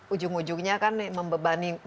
ujung ujungnya kan membebani